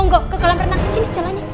monggo ke kolam renang sini jalannya sini